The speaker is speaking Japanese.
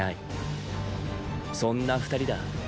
そんな二人だ。